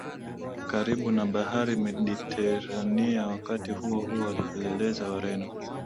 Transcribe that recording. karibu na Bahari Mediteranea Wakati huohuo wapelelezi Wareno